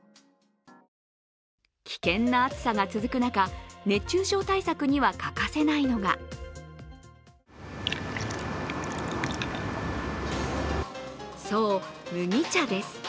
危険な暑さが続く中、熱中症対策には欠かせないのがそう、麦茶です。